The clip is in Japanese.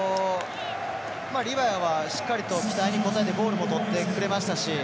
リバヤはしっかりと期待に応えてゴールも取ってくれましたし